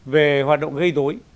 về hoạt động gây dối